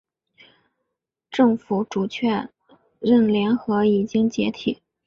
政府遂确认联合已经解体。